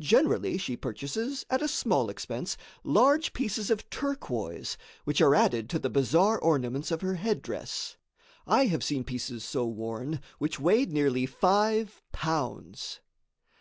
Generally she purchases, at a small expense, large pieces of turquoise, which are added to the bizarre ornaments of her headdress. I have seen pieces so worn which weighed nearly five pounds.